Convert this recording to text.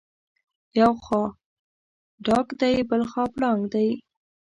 یو خوا ډاګ دی بلخوا پړانګ دی.